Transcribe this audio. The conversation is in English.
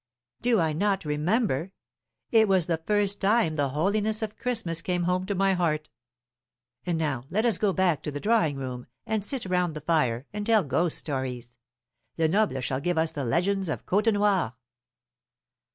"Do I not remember? It was the first time the holiness of Christmas came home to my heart. And now let us go back to the drawing room, and sit round the fire, and tell ghost stories. Lenoble shall give us the legends of Côtenoir."